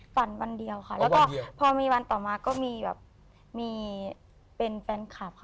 วันเดียวค่ะแล้วก็พอมีวันต่อมาก็มีแบบมีเป็นแฟนคลับค่ะ